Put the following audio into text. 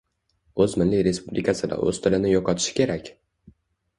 O‘z milliy respublikasida o‘z tilini yo‘qotishi kerak?